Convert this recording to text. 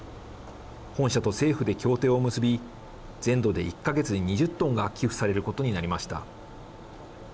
本社と政府で協定を結び全土で１か月に２０トンが寄付されることになりました。